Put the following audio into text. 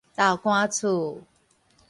豆干厝